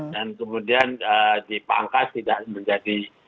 dan kemudian dipangkas tidak menjadi